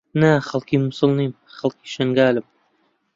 نا، خەڵکی مووسڵ نیم، خەڵکی شنگالم.